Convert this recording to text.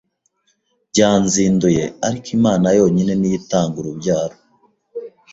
byanzinduye ariko Imana yonyine niyo itanga urubyaro,